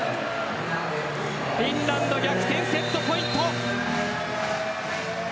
フィンランド、逆転セットポイント。